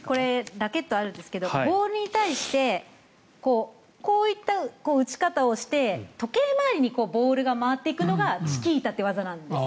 ラケットがあるんですけどボールに対してこういった打ち方をして時計回りにボールが回っていくのがチキータという技なんです。